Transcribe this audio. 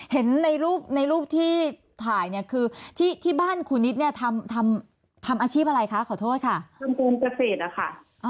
เห็นในรูปที่ถ่ายคือที่บ้านคุณนิดทำอาชีพอะไรคะขอโทษค่ะ